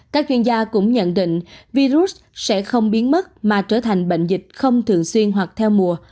các chuyên gia cũng nhận định virus sẽ không biến mất mà trở thành bệnh dịch không thường xuyên hoặc theo mùa